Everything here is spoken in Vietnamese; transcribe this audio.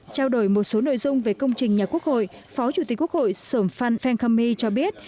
trao đổi một số nội dung về công trình nhà quốc hội phó chủ tịch quốc hội sởm phan phan khâm my cho biết